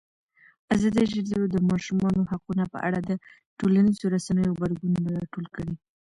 ازادي راډیو د د ماشومانو حقونه په اړه د ټولنیزو رسنیو غبرګونونه راټول کړي.